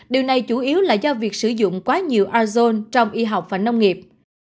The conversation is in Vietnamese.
điều này chủ yếu là do việc sử dụng quá nhiều azone trong y học và nông nghiệp